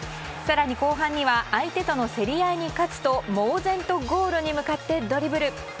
更に、後半には相手との競り合いに勝つと猛然とゴールに向かってドリブル。